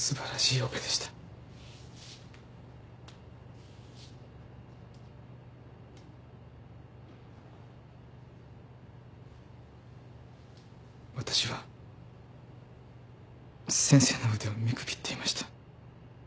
わたしは先生の腕を見くびっていました。